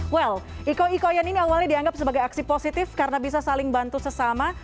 well iko ikoyon ini awalnya dianggap sebagai aksi positif karena bisa saling bantu sesama